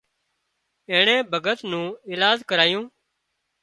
اينڻي ڀڳت نو ايلاز ڪرايو